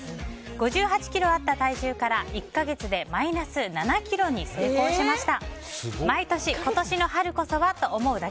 ５８ｋｇあった体重から１か月でマイナス７ｋｇに成功しました。